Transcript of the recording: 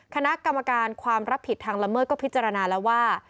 คณะกรรมการความรับผิดทางละเมิดก็พิจารณาแล้วว่า